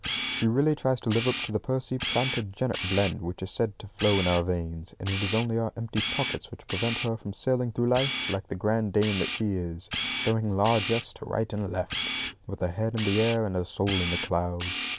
She really tries to live up to the Percy Plantagenet blend which is said to flow in our veins; and it is only our empty pockets which prevent her from sailing through life, like the grande dame that she is, throwing largesse to right and left, with her head in the air and her soul in the clouds.